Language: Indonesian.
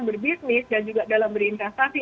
berbisnis dan juga dalam berinvestasi